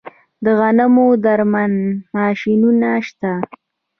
د غنمو درمند ماشینونه شته